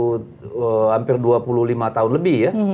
hampir dua puluh lima tahun lebih ya